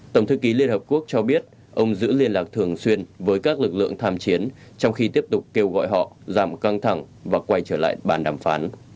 tổng thư ký liên hợp quốc cho biết ông giữ liên lạc thường xuyên với các lực lượng tham chiến trong khi tiếp tục kêu gọi họ giảm căng thẳng và quay trở lại bàn đàm phán